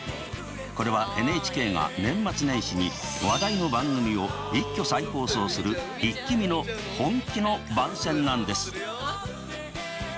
これはＮＨＫが年末年始に話題の番組を一挙再放送する「イッキ見！」の本気の番宣なんです。